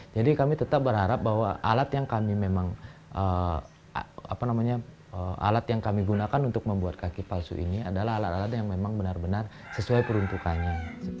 jadi kami tetap berharap bahwa alat yang kami gunakan untuk membuat kaki palsu ini adalah alat alat yang memang benar benar sesuai peruntukannya